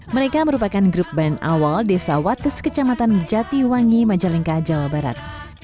mereka merupakan grup band awal desa wates kecamatan jatiwangi majalengka jawa barat